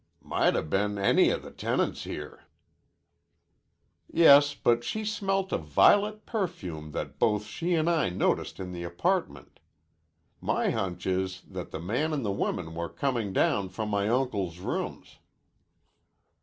"Might 'a' been any o' the tenants here." "Yes, but she smelt a violet perfume that both she an' I noticed in the apartment. My hunch is that the man an' the woman were comin' from my uncle's rooms."